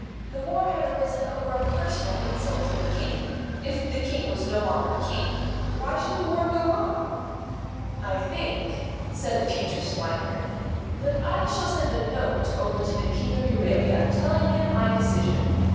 The war had arisen over a personal insult to the King. If the King was no longer King, why should the war go on? "I think," said the future swineherd, "that I shall send a Note over to the King of Euralia, telling him my decision.